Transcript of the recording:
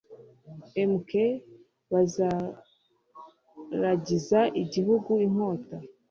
Mk Bazaragiza igihugu inkota